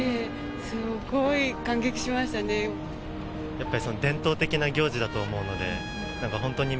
やっぱり。